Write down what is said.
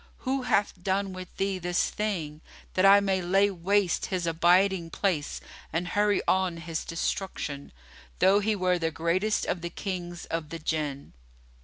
Who hath done with thee this thing, that I may lay waste his abiding place and hurry on his destruction, though he were the greatest of the Kings of the Jann?"